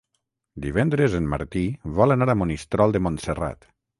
Divendres en Martí vol anar a Monistrol de Montserrat.